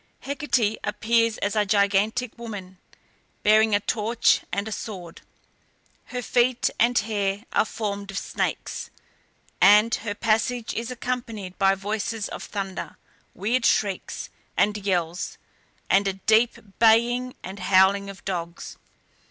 Hecate appears as a gigantic woman, bearing a torch and a sword. Her feet and hair are formed of snakes, and her passage is accompanied by voices of thunder, weird shrieks and yells, and the deep baying and howling of dogs.